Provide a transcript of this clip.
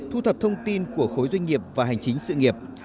thu thập thông tin của khối doanh nghiệp và hành chính sự nghiệp